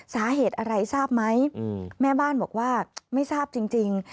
สาเหตุอะไรทราบไหมแม่บ้านบอกว่าไม่ทราบจริง